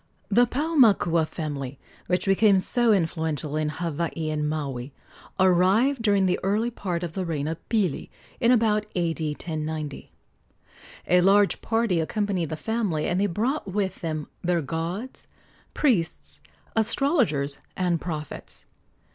The Paumakua family, which became so influential in Hawaii and Maui, arrived during the early part of the reign of Pili, in about A.D. 1090. A large party accompanied the family, and they brought with them their gods, priests, astrologers and prophets.